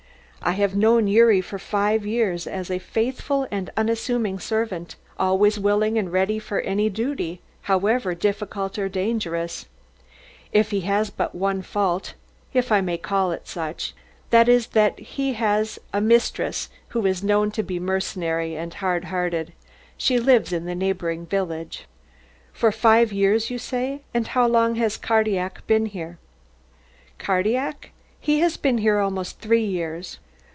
I have known Gyuri for five years as a faithful and unassuming servant, always willing and ready for any duty, however difficult or dangerous. He has but one fault if I may call it such that is that he has a mistress who is known to be mercenary and hard hearted. She lives in a neighbouring village." "For five years, you say? And how long has Cardillac been here?" "Cardillac? He has been here for almost three years."